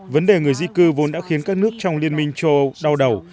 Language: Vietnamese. vấn đề người di cư vốn đã khiến các nước trong liên minh châu âu đau đầu